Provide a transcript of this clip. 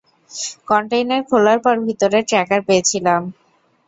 Container খোলার পর ভিতরে ট্র্যাকার পেয়েছিলাম।